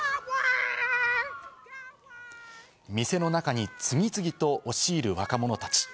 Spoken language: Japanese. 店の中に次々と押し入る若者たち。